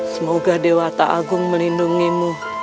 semoga dewa tak agung melindungimu